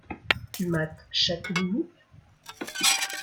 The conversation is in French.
Tu mates chaque minute ?